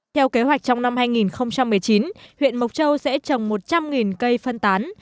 theo kế hoạch trong năm hai nghìn một mươi chín huyện mộc châu sẽ trồng một trăm linh cây phân tán